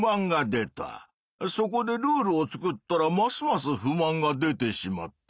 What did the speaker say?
そこでルールを作ったらますます不満が出てしまった。